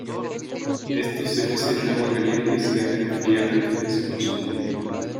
Estos se cuecen en agua caliente y se dejan enfriar antes de su consumo.